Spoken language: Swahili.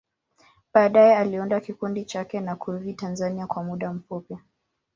Baadaye, aliunda kikundi chake na kurudi Tanzania kwa muda mfupi.